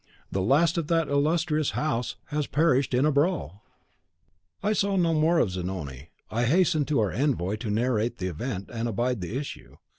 The last of that illustrious house has perished in a brawl.' "I saw no more of Zanoni. I hastened to our envoy to narrate the event, and abide the issue.